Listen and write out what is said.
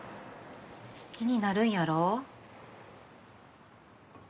気になるんやろ？